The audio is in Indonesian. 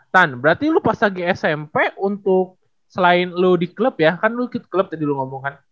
tan berarti lu pas lagi smp untuk selain lu di klub ya kan lu di klub tadi lu ngomong kan